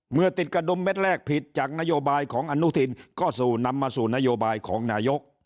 เมื่อติดกระดุมเม็ดแรกผิดจากนโยบายของอนุทินก็สู่นำมาสู่นโยบายของนายก